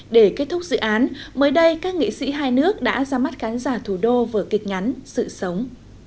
để kết thúc dự án mới đây các nghị sĩ hai nước đã ra mắt khán giả thủ đô vỡ kịch ngắn sự sống